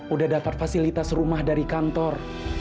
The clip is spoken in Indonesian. udah dapat fasilitas rumah dari kantor